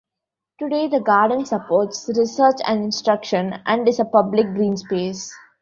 Today the Garden supports research and instruction, and is a public greenspace.